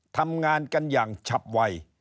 ทำงานกันอย่างฉับไว